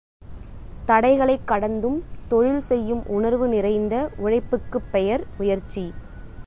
தடைகளைக் கடந்தும் தொழில் செய்யும் உணர்வு நிறைந்த உழைப்புக்குப் பெயர் முயற்சி.